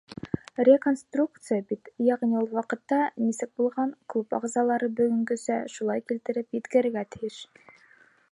Реконструкция бит, йәғни ул ваҡытта нисек булған, клуб ағзалары бөгөнгәсә шулай килтереп еткерергә тейеш.